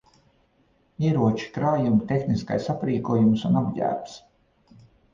Ieroči, krājumi, tehniskais aprīkojums un apģērbs.